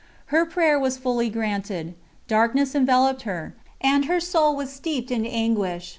Her prayer was fully granted. Darkness enveloped her, and her soul was steeped in anguish.